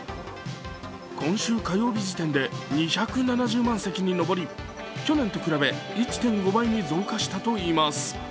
今週火曜日時点で２７０万席に上り去年と比べ、１．５倍に増加したといいます。